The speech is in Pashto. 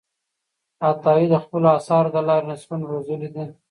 عطایي د خپلو آثارو له لارې نسلونه روزلي دي.